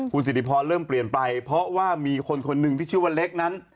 คุณสิริพรเริ่มเปลี่ยนไปเพราะว่ามีคนคนหนึ่งที่ชื่อว่าเล็กนั้น